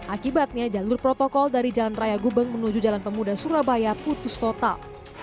akibatnya jalur protokol dari jalan raya gubeng menuju jalan pemuda surabaya putus total